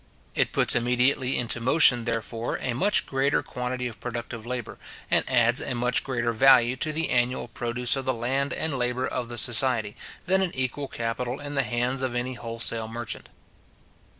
It puts immediately into motion, therefore, a much greater quantity of productive labour, and adds a much greater value to the annual produce of the land and labour of the society, than an equal capital in the hands of any wholesale merchant.